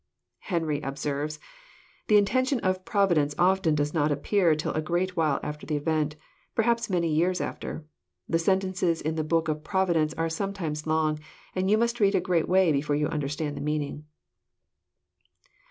Henry observes :" The intention of Providence often does not appear till a great while after the event, perhaps many years after. The sentences In the book of Providence are sometimes long, and you must read a great way before you understand the meaning."